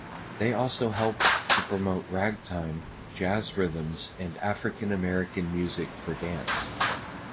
They also helped to promote ragtime, jazz rhythms and African-American music for dance.